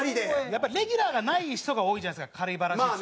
やっぱりレギュラーがない人が多いじゃないですかバラシって。